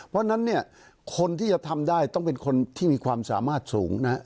เพราะฉะนั้นเนี่ยคนที่จะทำได้ต้องเป็นคนที่มีความสามารถสูงนะครับ